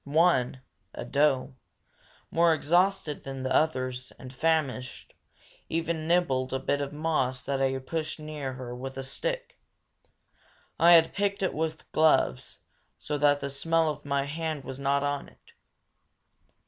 One a doe, more exhausted than the others, and famished even nibbled a bit of moss that I pushed near her with a stick. I had picked it with gloves, so that the smell of my hand was not on it.